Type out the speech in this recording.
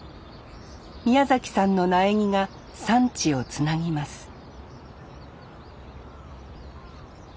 宮崎さんの苗木が産地をつなぎます